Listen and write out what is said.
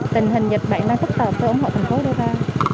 tình hình dịch bệnh đang phức tạp tôi ủng hộ thành phố đưa ra